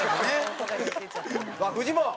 さあフジモン。